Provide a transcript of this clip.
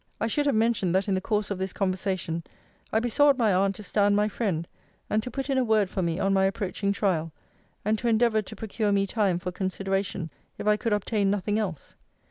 I should have mentioned, that in the course of this conversation I besought my aunt to stand my friend, and to put in a word for me on my approaching trial; and to endeavour to procure me time for consideration, if I could obtain nothing else.